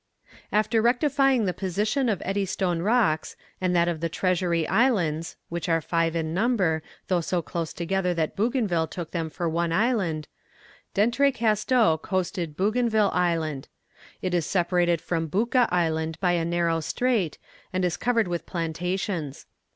After rectifying the position of Eddystone rocks, and that of the Treasury Islands which are five in number, though so close together that Bougainville took them for one island D'Entrecasteaux coasted Bougainville Island. It is separated from Bouka Island by a narrow strait, and is covered with plantations.